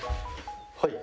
はい？